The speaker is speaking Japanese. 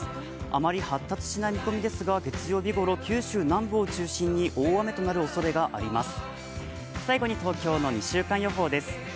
あまり発達しない見込みですが、月曜日ごろ、九州南部を中心に大雨となるおそれがあります。